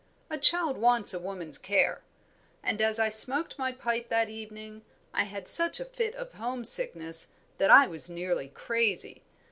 A child wants a woman's care; and as I smoked my pipe that evening I had such a fit of home sickness that I was nearly crazy.